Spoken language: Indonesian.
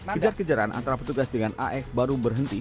kejar kejaran antara petugas dengan af baru berhenti